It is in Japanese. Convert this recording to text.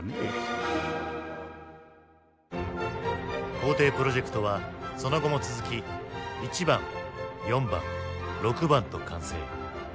校訂プロジェクトはその後も続き「１番」「４番」「６番」と完成。